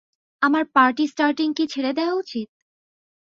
আমার party starting কি ছেড়ে দেয়া উচিত?